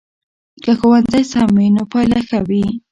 که ښوونځی سم وي نو پایله ښه وي.